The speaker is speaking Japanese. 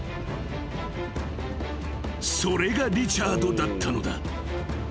［それがリチャードだったのだ］